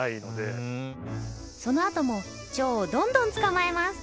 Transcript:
その後もチョウをどんどん捕まえます